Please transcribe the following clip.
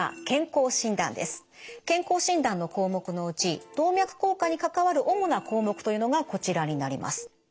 健康診断の項目のうち動脈硬化に関わる主な項目というのがこちらになります。